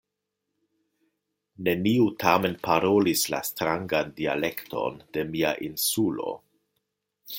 Neniu tamen parolis la strangan dialekton de mia Insulo.